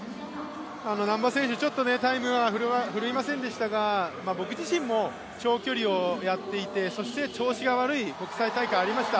難波選手、タイムは振るいませんでしたが、僕自身も長距離をやっていて、調子が悪い国際大会ありました。